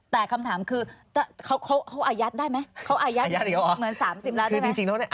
แต่คำถามคือเขาอายัดได้ไหมเขาอายัดเหมือน๓๐ล้านได้ไหม